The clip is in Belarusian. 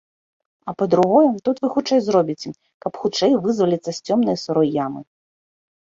А па-другое, тут вы хутчэй зробіце, каб хутчэй вызваліцца з цёмнай і сырой ямы.